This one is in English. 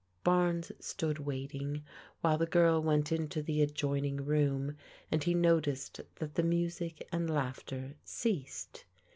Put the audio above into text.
Barnes stood waiting 'while the ^Irl went into the ad PEGGY'S ROMANCE FADES 265 joining room and he noticed that the music and laughter ceased.